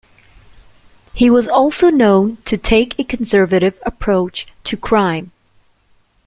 He was also known to take a conservative approach to crime.